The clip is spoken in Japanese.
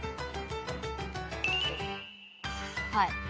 はい。